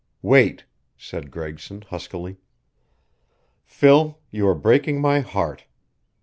"Wait," said Gregson, huskily. "Phil, you are breaking my heart.